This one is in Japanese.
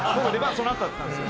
そのあとだったんですよ。